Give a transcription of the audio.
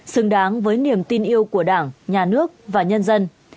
xứng đáng với niềm tin yêu của đảng nhà nước và nhân dân